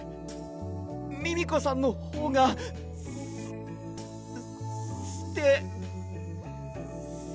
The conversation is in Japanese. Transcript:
ミミコさんのほうがすすてす。